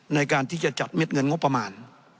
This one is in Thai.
ในการที่จะจัดเม็ดเงินงบประมาณ